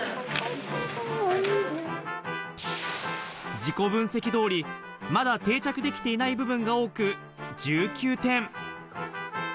自己分析通り、まだ定着できていない部分が多く、１９点。